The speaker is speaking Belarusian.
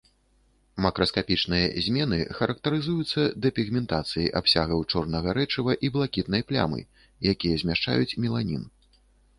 Макраскапічныя змены характарызуюцца дэпігментацыяй абсягаў чорнага рэчыва і блакітнай плямы, якія змяшчаюць меланін.